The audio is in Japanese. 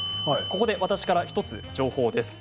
ここで私から１つ情報です。